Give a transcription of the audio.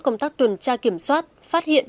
công tác tuần tra kiểm soát phát hiện